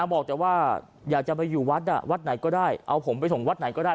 บอกแต่ว่าอยากจะไปอยู่วัดวัดไหนก็ได้เอาผมไปส่งวัดไหนก็ได้